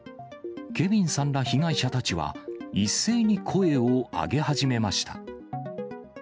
ケビンさんら被害者たちは一斉に声を上げ始めました。